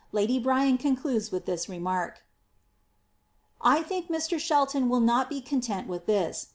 Lady Bryan concludes with this remark :—* I think Mr. Shelton will not be content with thin.